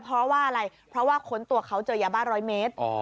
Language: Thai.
เพราะว่าอะไรเพราะว่าค้นตัวเขาเจอยาบ้า๑๐๐เมตร